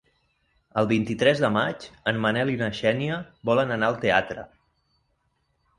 El vint-i-tres de maig en Manel i na Xènia volen anar al teatre.